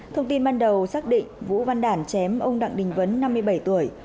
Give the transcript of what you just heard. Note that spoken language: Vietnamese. thông tin ban đầu xác định vũ văn đản chém ông đặng đình vấn năm mươi bảy tuổi